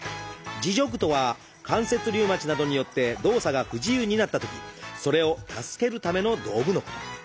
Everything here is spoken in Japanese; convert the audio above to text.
「自助具」とは関節リウマチなどによって動作が不自由になったときそれを助けるための道具のこと。